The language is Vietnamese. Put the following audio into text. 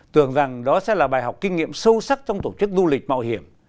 tưởng rằng đó sẽ là bài học kinh nghiệm sâu sắc trong tổ chức du lịch mạo hiểm